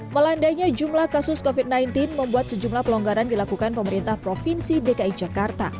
melandainya jumlah kasus covid sembilan belas membuat sejumlah pelonggaran dilakukan pemerintah provinsi dki jakarta